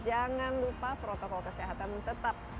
jangan lupa protokol kesehatan tetap